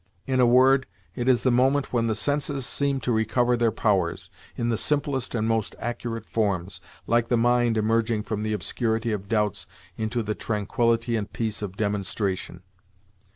In a word, it is the moment when the senses seem to recover their powers, in the simplest and most accurate forms, like the mind emerging from the obscurity of doubts into the tranquility and peace of demonstration.